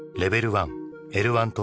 １「Ｌ１」と。